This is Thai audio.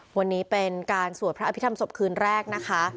วันนี้เป็นการสวดพระอภิษฐรรศพคืนแรกนะคะ